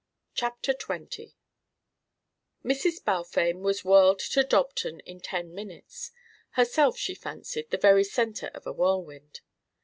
CHAPTER XX Mrs. Balfame was whirled to Dobton in ten minutes herself, she fancied, the very centre of a whirlwind.